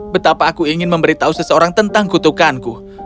betapa aku ingin memberitahu seseorang tentang kutukanku